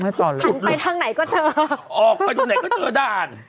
ไม่ต่อแล้วจุดลุกออกไปทางไหนก็เจอด่านจุดลุก